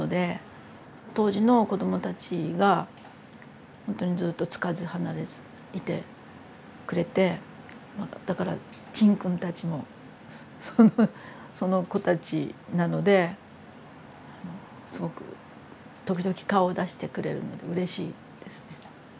当時の子どもたちがほんとにずっと付かず離れずいてくれてまあだから陳君たちもその子たちなのですごく時々顔を出してくれるのでうれしいですね。